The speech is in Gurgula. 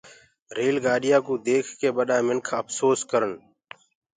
ريل گآڏيآ ڪوُ ديک ڪي ٻڏآ مِنک اڦسوس ڪرن۔